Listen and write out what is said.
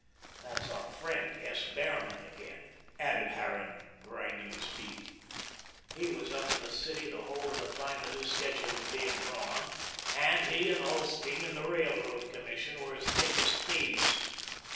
That's our friend S. Behrman again," added Harran, grinding his teeth. "He was up in the city the whole of the time the new schedule was being drawn, and he and Ulsteen and the Railroad Commission were as thick as thieves.